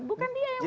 bukan dia yang buat